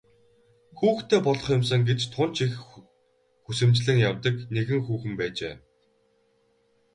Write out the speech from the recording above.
Хүүхэдтэй болох юмсан гэж тун ч их хүсэмжлэн явдаг нэгэн хүүхэн байжээ.